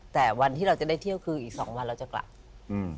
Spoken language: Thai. แต่วันที่เราจะได้เที่ยวคืออีกสองวันเราจะกลับอืม